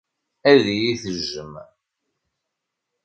Ad iyi-tejjem.